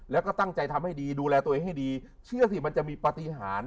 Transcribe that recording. แล้วก็ตั้งใจทำให้ดีดูแลตัวเองให้ดีเชื่อสิมันจะมีปฏิหาร